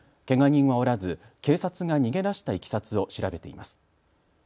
けが人はおらず警察が逃げ出したいきさつを調べています。